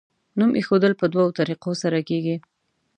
نوم ایښودل په دوو طریقو سره کیږي.